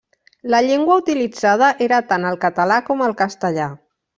La llengua utilitzada era tant el català com el castellà.